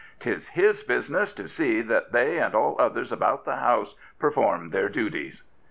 'Tis his business to see that they and all others about the house perform their duties."